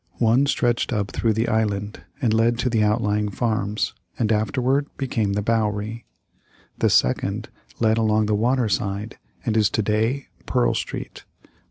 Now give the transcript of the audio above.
One stretched up through the island and led to the outlying farms and afterward became The Bowery; the second led along the water side, and is to day Pearl Street.